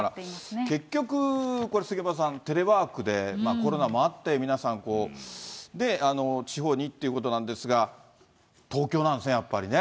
これ、だから、結局、これ、杉山さん、テレワークで、コロナもあって、皆さん、地方にということなんですが、東京なんですね、やっぱりね。